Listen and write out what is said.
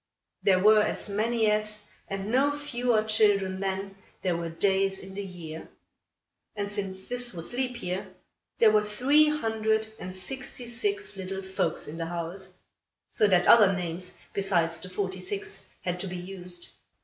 There were as many as, and no fewer children than, there were days in the year; and, since this was leap year, there were three hundred and sixty six little folks in the house; so that other names, besides the forty six, had to be used.